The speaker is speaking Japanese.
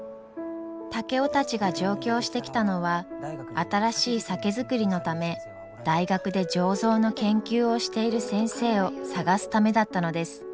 竹雄たちが上京してきたのは新しい酒造りのため大学で醸造の研究をしている先生を探すためだったのです。